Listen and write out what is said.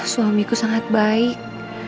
suamiku sangat baik